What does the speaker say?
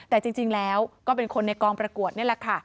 แต่จริงแล้วก็เป็นคนในกองประกวดนี่แหละค่ะ